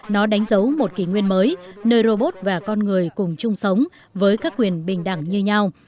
nó đánh dấu một kỷ nguyên mới nơi robot và con người cùng chung sống với các quyền bình đẳng như nhau